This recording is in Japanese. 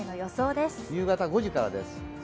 夕方５時からです。